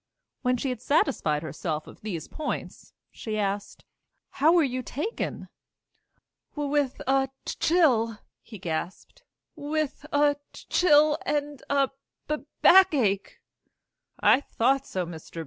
When she had satisfied herself on these points, she asked: "How were you taken?" "W with a c chill!" he gasped "with a c chill and a b backache!" "I thought so. Mr.